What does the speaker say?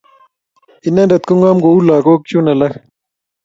Inendet kong'om kou lakok chun alak